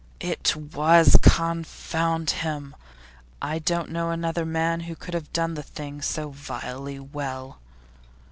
'It was confound him! I don't know another man who could have done the thing so vilely well.